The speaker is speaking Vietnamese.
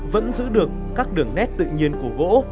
vẫn giữ được các đường nét tự nhiên của gỗ